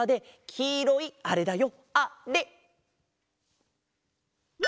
きいろいあれだよ。